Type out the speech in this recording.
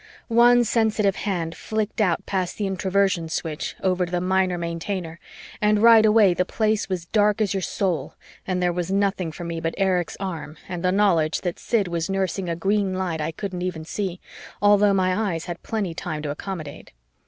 One sensitive hand flicked out past the Introversion switch over to the Minor Maintainer and right away the Place was dark as your soul and there was nothing for me but Erich's arm and the knowledge that Sid was nursing a green light I couldn't even see, although my eyes had plenty time to accommodate.